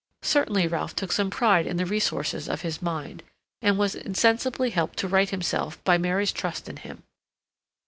Certainly Ralph took some pride in the resources of his mind, and was insensibly helped to right himself by Mary's trust in him.